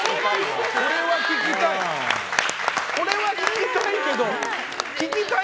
これは聞きたい。